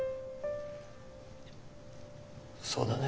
そうだね。